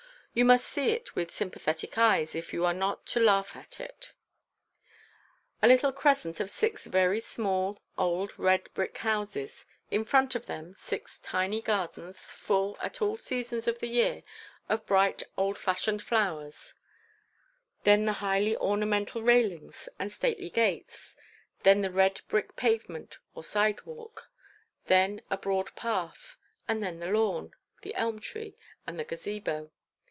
You must see it with sympathetic eyes, if you are not to laugh at it: a little crescent of six very small old red brick houses; in front of them, six tiny gardens full at all seasons of the year of bright old fashioned flowers; then the highly ornamental railings and stately gates; then a red brick pavement, or side walk; then a broad path; and then the lawn, the elm tree, and the Gazebo.